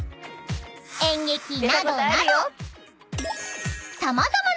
［演劇などなど］